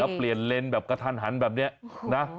แล้วเปลี่ยนเลนส์แบบกระทันหันแบบนี้นะ